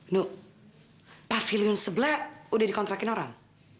nu pavilion sebelah udah dikontrakin orang